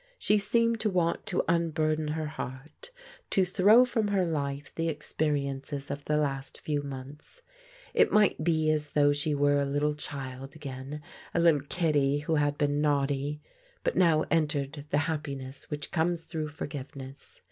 She seemed to want to unburden her heart, to throw from her life the experi ences of the last few months. It might be as though she were a little child again, a little kiddie who had been naughty, and now entered the happiness which comes through forgiveness.